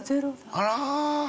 あら！